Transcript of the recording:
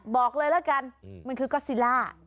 บอกเลยละกันมันคือก๊อตซิล่า